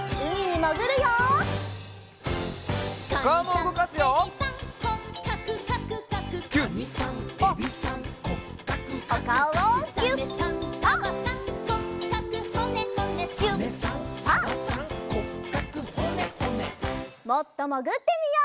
もっともぐってみよう。